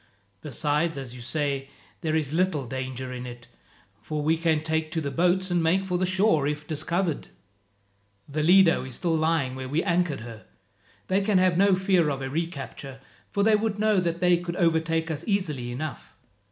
Besides, as you say, there is little danger in it, for we can take to the boats and make for the shore if discovered. "The Lido is still lying where we anchored her. They can have no fear of a recapture, for they would know that they could overtake us easily enough.